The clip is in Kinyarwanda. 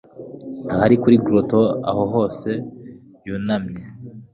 ahari kuri grotto aho se yunamye